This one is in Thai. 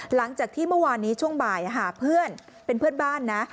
หลังจากที่เมื่อวานนี้ช่วงบ่ายหาเพื่อนเป็นเพื่อนบ้านนะ